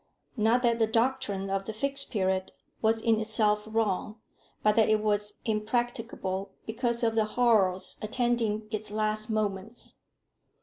Not that the doctrine of the Fixed Period was in itself wrong, but that it was impracticable because of the horrors attending its last moments.